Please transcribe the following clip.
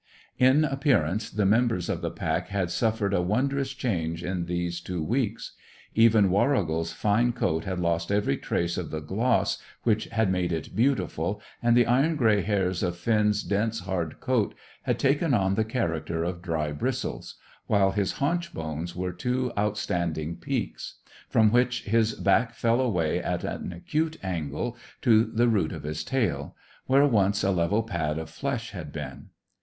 In appearance, the members of the pack had suffered a wondrous change in these two weeks. Even Warrigal's fine coat had lost every trace of the gloss which had made it beautiful, and the iron grey hairs of Finn's dense, hard coat had taken on the character of dry bristles, while his haunch bones were two outstanding peaks, from which his back fell away at an acute angle to the root of his tail, where once a level pad of flesh had been.